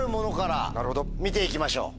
見て行きましょう。